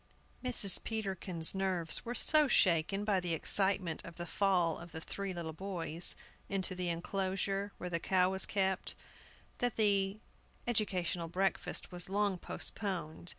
MRS. PETERKIN'S nerves were so shaken by the excitement of the fall of the three little boys into the enclosure where the cow was kept that the educational breakfast was long postponed.